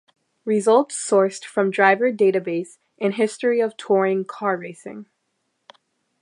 Results sourced from Driver Database and History of Touring Car Racing.